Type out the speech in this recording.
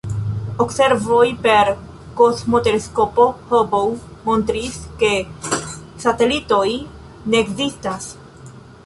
Observoj per kosmoteleskopo Hubble montris, ke satelitoj ne ekzistas.